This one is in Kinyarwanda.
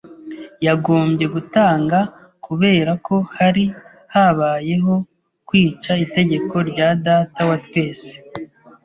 yagombye gutanga kubera ko hari habayeho kwica itegeko rya Data wa twese.